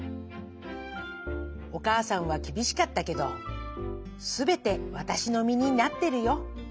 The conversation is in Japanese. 『おかあさんはきびしかったけどすべてわたしの身になっているよ。